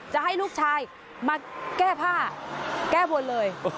จะให้ลูกชายมาแก้ผ้าแก้บนเลย